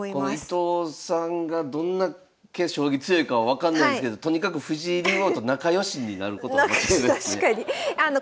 この伊藤さんがどんなけ将棋強いかは分かんないですけどとにかく藤井竜王と仲良しになることは間違いないですね。